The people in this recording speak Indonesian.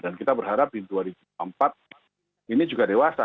dan kita berharap di dua ribu empat ini juga dewasa